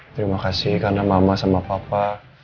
terima kasih karena mama sama papa